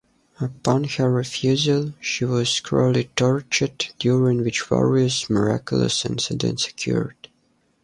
Upon her refusal, she was cruelly tortured, during which various miraculous incidents occurred.